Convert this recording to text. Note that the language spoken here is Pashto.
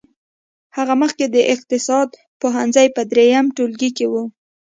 هغه مخکې د اقتصاد پوهنځي په دريم ټولګي کې وه.